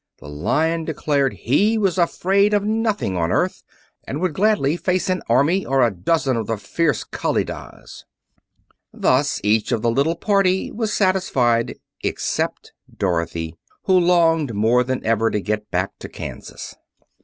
The Lion declared he was afraid of nothing on earth, and would gladly face an army or a dozen of the fierce Kalidahs. Thus each of the little party was satisfied except Dorothy, who longed more than ever to get back to Kansas.